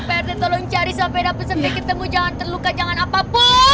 pak rt tolong cari sampai dapat sampai ketemu jangan terluka jangan apapun